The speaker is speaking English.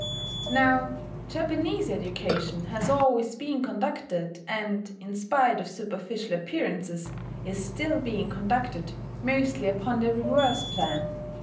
Now Japanese education has always been conducted, and, in spite of superficial appearances, is still being conducted, mostly upon the reverse plan.